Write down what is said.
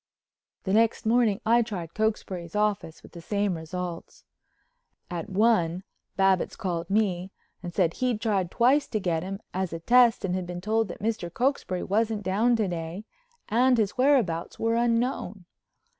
The next morning I tried Cokesbury's office with the same results. At one Babbitts called me and said he'd tried twice to get him as a test and been told that Mr. Cokesbury wasn't down to day and his whereabouts were unknown.